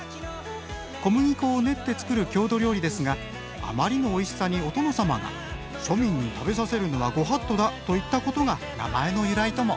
小麦粉を練って作る郷土料理ですがあまりのおいしさにお殿様が「庶民に食べさせるのはご法度だ」と言ったことが名前の由来とも。